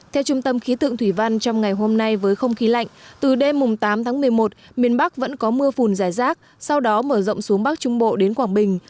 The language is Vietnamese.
theo trung tâm khí tượng thủy văn trong ngày hôm nay với không khí lạnh từ đêm tám tháng một mươi một miền bắc vẫn có mưa phùn dài rác sau đó mở rộng xuống bắc trung bộ đến quảng bình